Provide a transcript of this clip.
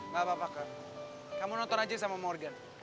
gak apa apa kan kamu nonton aja sama morgan